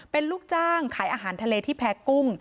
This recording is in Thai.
เป็นลูกจ้างขายอาหารทะเลที่แพ้กุ้ง